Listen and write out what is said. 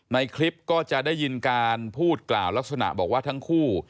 ในคลิปก็จะได้ยินการพูดกล่าวลักษณะบอกว่าทั้งคู่